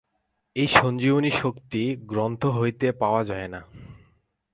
এই সঞ্জীবনী শক্তি গ্রন্থ হইতে পাওয়া যায় না।